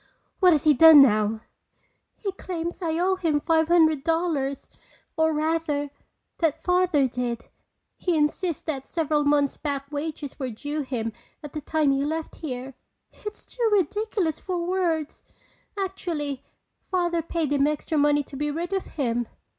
"What has he done now?" "He claims I owe him five hundred dollars. Or rather, that Father did. He insists that several months back wages were due him at the time he left here. It's too ridiculous for words! Actually, Father paid him extra money to be rid of him."